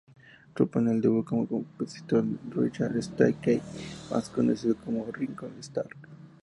Supone el debut como compositor de Richard Starkey, más conocido como Ringo Starr.